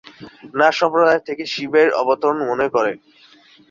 নাথ সম্প্রদায় তাঁকে শিবের অবতার মনে করে।